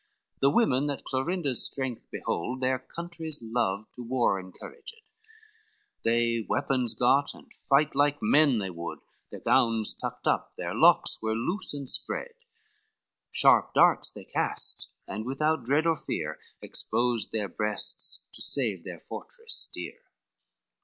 The women that Clorinda's strength behold, Their country's love to war encouraged, They weapons got, and fight like men they would, Their gowns tucked up, their locks were loose and spread, Sharp darts they cast, and without dread or fear, Exposed their breasts to save their fortress dear.